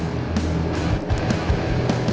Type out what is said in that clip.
gak ada yang mau ngomong